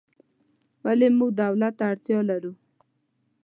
ولې موږ دولت ته اړتیا لرو؟